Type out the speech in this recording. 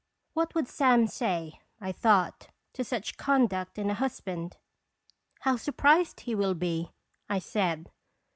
What would Sam say, I thought, to such conduct in a husband !" How surprised he will be," I said.